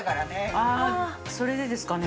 あぁそれでですかね。